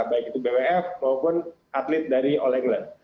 baik itu bwf maupun atlet dari all england